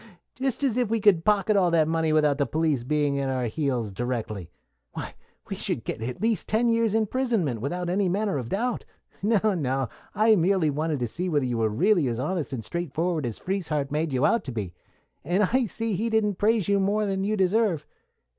Just as if we could pocket all that money without the police being at our heels directly. Why, we should get at least ten years' imprisonment without any manner of doubt. No, no; I merely wanted to see whether you were really as honest and straightforward as Frieshardt made you out to be, and I see he didn't praise you more than you deserve.